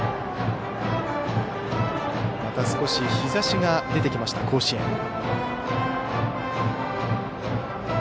また少し日ざしが出てきました甲子園。